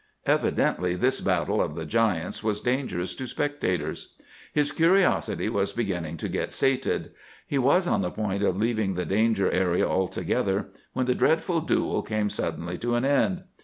Evidently this battle of the giants was dangerous to spectators. His curiosity was beginning to get sated. He was on the point of leaving the danger area altogether, when the dreadful duel came suddenly to an end.